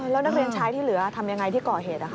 แล้วนักเรียนชายที่เหลือทำยังไงที่ก่อเหตุ